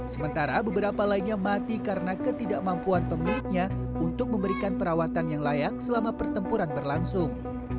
sementara beberapa lainnya mati karena ketidakmampuan pemiliknya untuk memberikan perawatan yang layak selama pertempuran berlangsung